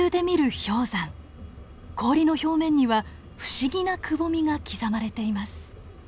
氷の表面には不思議なくぼみが刻まれています。